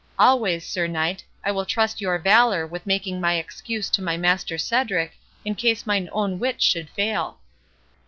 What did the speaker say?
Always, Sir Knight, I will trust your valour with making my excuse to my master Cedric, in case mine own wit should fail."